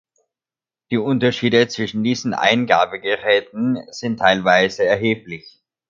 Die Unterschiede zwischen diesen Eingabegeräten sind teilweise erheblich.